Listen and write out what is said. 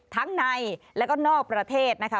ทั้งในและก็นอกประเทศนะคะ